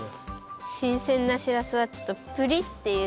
しんせんなしらすはちょっとプリッていうか。